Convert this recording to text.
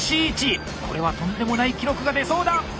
これはとんでもない記録が出そうだ！